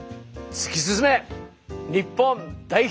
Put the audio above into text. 突き進め日本代表！